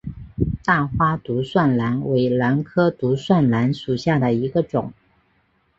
大花独蒜兰为兰科独蒜兰属下的一个种。